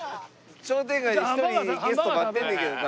商店街で１人ゲスト待ってんねんけどな。